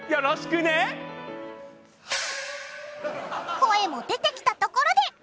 声も出てきたところで！